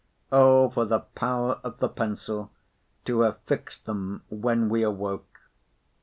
O for the power of the pencil to have fixed them when we awoke!